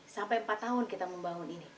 sampai empat tahun kita membangun ini